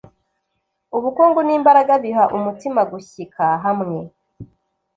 Ubukungu n’imbaraga biha umutima gushyika hamwe,